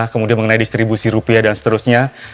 kemudian mengenai distribusi rupiah dan seterusnya